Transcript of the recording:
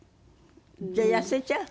じゃあ痩せちゃう？